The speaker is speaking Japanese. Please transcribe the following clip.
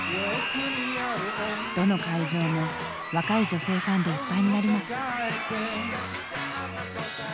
どの会場も若い女性ファンでいっぱいになりました。